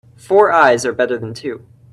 Four eyes are better than two.